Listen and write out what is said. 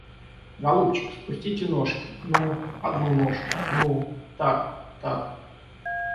Голубчик, спустите ножки, ну, одну ножку, ну, так, так.